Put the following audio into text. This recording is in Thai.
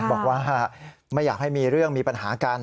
บอกว่าไม่อยากให้มีเรื่องมีปัญหากัน